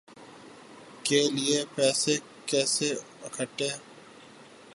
کے لیے پیسہ کیسے اکھٹا